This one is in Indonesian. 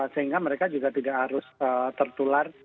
sehingga mereka juga tidak harus tertular